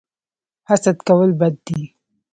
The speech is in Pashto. حسد کول بد دي